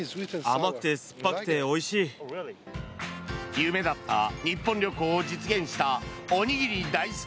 夢だった日本旅行を実現したおにぎり大好き